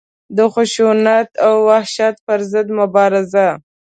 د خشونت او وحشت پر ضد مبارزه.